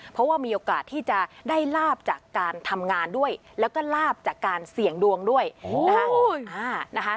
เพราะว่ามีโอกาสที่จะได้ลาบจากการทำงานด้วยแล้วก็ลาบจากการเสี่ยงดวงด้วยนะคะ